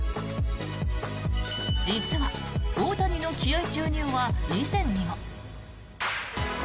実は大谷の気合注入は以前にも。